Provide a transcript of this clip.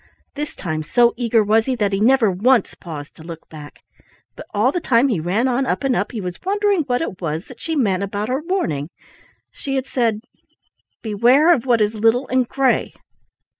This time so eager was he that he never once paused to look back, but all the time he ran on up and up he was wondering what it was that she meant about her warning. She had said, "Beware of what is little and gray."